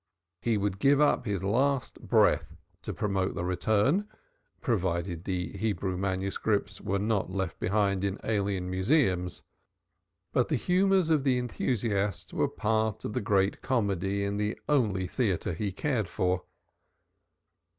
He would give up his last breath to promote the Return (provided the Hebrew manuscripts were not left behind in alien museums); but the humors of the enthusiasts were part of the great comedy in the only theatre he cared for.